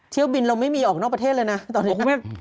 เที่ยวบินเราไม่มีออกนอกประเทศเลยนะตอนนี้